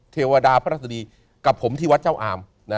เทวดาพระราชดีกับผมที่วัดเจ้าอาม